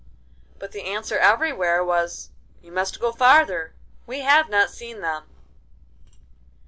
But the answer everywhere was, 'You must go farther, we have not seen them.